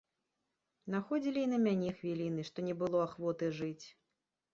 Находзілі і на мяне хвіліны, што не было ахвоты жыць.